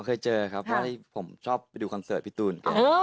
เคยเจอครับผมชอบไปดูคอนเสิร์ตพี่ตูน